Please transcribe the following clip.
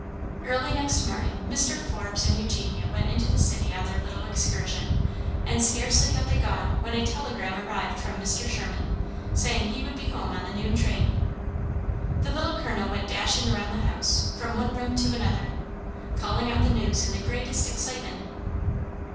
Early next morning Mr. Forbes and Eugenia went into the city on their little excursion, and scarcely had they gone when a telegram arrived from Mr. Sherman, saying he would be home on the noon train. The Little Colonel went dashing around the house, from one room to another, calling out the news in the greatest excitement.